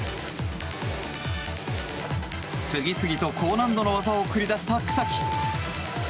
次々と高難度の技を繰り出した草木。